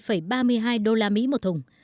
bốn âm bốn mươi ba mươi hai đô la mỹ một thùng